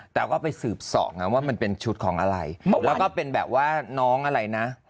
แต่ว่าไปสืบส่องว่ามันเป็นชุดของอะไรแล้วก็เป็นแบบว่าน้องอะไรนะ